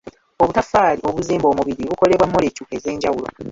Obutaffaali obuzimba omubiri bukolebwa molekyu ez'enjawulo